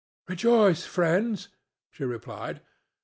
"Rejoice, friends!" she replied.